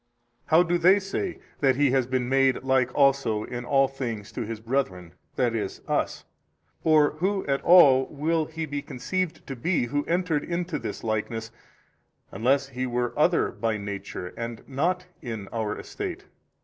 A. How do they say that He has been made like also in all things to His brethren, i. e., us? or who at all will He be conceived to be who entered into this likeness, unless He were other by Nature and not in our estate?